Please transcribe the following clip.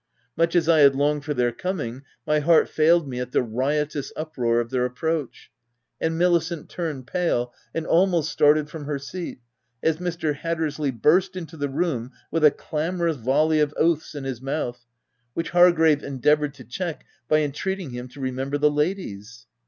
Much as I had longed for their coming, my heart failed me at the riotous uproar of their approach ; and Milicent turned pale and almost started from her seat as Mr. Hattersley burst into the room with a clamorous volley of oaths in his mouth, which Hargrave endeavoured to check by en treating him to remember the ladies.